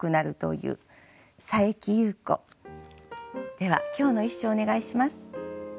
では今日の一首をお願いします。